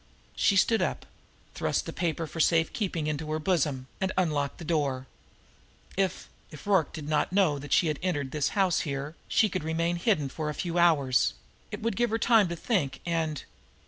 She stood up, thrust the paper for safe keeping into her bosom, and unlocked the door. If if Rorke did not know that she had entered this house here, she could remain hidden for a few hours; it would give her time to think, and...